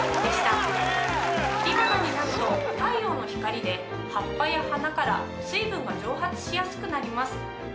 切り花になると太陽の光で葉っぱや花から水分が蒸発しやすくなります。